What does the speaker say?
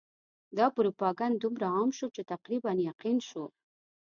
دا پروپاګند دومره عام شو چې تقریباً یقین شو.